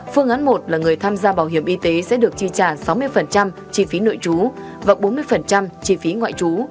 phương án một là người tham gia bảo hiểm y tế sẽ được chi trả sáu mươi chi phí nội trú và bốn mươi chi phí ngoại trú